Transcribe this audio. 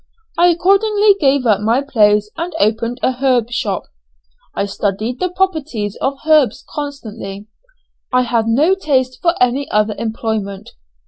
I accordingly gave up my place and opened a herb shop. I studied the properties of herbs constantly. I had no taste for any other employment.